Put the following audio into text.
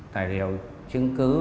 tài liệu chứng cứ